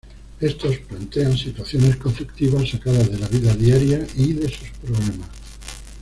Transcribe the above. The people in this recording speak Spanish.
Estos plantean situaciones conflictivas sacadas de la vida diaria y de sus problemas.